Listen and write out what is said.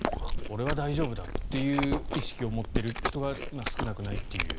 運転していると俺は大丈夫だっていう意識を持っている人が少なくないという。